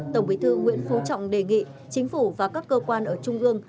tổng bí thư nguyễn phú trọng đề nghị chính phủ và các cơ quan ở trung ương